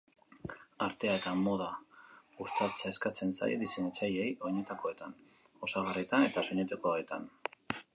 Artea eta moda uztartzea eskatzen zaie diseinatzaileei, oinetakoetan, osagarrietan eta soinekoetan.